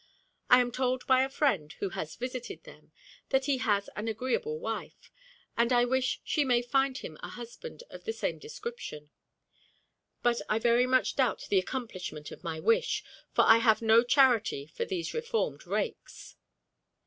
I am told by a friend, who has visited them, that he has an agreeable wife; and I wish she may find him a husband of the same description; but I very much doubt the accomplishment of my wish, for I have no charity for these reformed rakes.